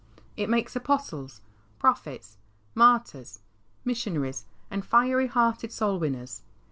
It makes apostles, prophets, martyrs, missionaries, and fiery hearted soul winners.